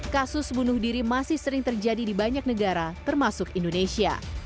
kasus bunuh diri masih sering terjadi di banyak negara termasuk indonesia